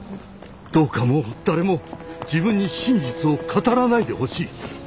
どうかもう誰も自分に真実を語らないでほしい。